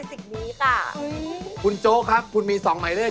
อิมคิดว่าเบอร์๑ในอิมถัดเลย